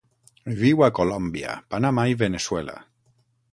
Viu a Colòmbia, Panamà i Veneçuela.